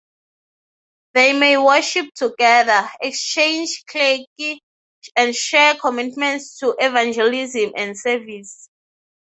They may worship together, exchange clergy, and share commitments to evangelism and service.